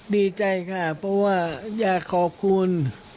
ดีใจค่ะเพราะว่าอยากขอบคุณ